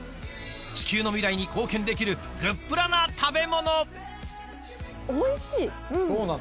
地球の未来に貢献できるグップラな食べ物そうなの。